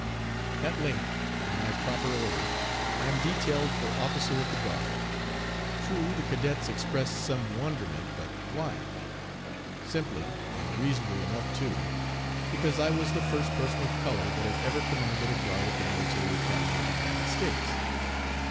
At length, in my proper order, I am detailed for officer of the guard. True, the cadets expressed some wonderment, but why? Simply, and reasonably enough too, because I was the first person of color that had ever commanded a guard at the Military Academy of the United States.